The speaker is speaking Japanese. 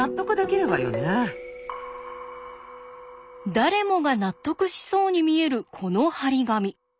誰もが納得しそうに見えるこの貼り紙。